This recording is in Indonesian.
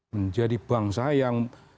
menjadi bangsa yang